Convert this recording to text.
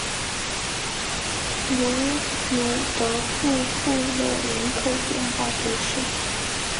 卢鲁德布布勒人口变化图示